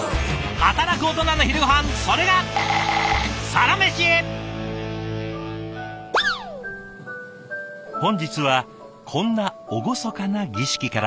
働くオトナの昼ごはんそれが本日はこんな厳かな儀式から。